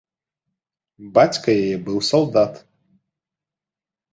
Бацька яе быў салдат.